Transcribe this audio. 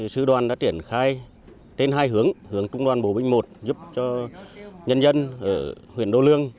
sự đoàn đã triển khai trên hai hướng hướng trung đoàn bồ bình i giúp cho nhân dân ở huyện đô lương